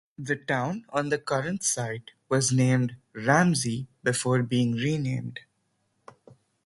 The town on the current site was named Ramsey before being renamed.